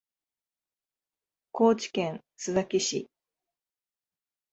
高知県須崎市